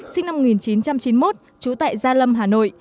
sinh năm một nghìn chín trăm chín mươi một trú tại gia lâm hà nội